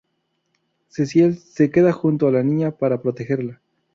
Cecil se queda junto a la niña para protegerla.